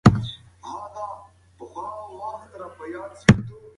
تعلیم باید منع نه سي.